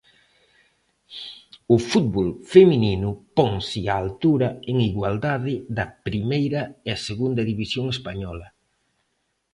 O fútbol feminino ponse á altura en igualdade da primeira e Segunda División española.